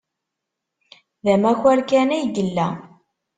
D amakar kan ay yella.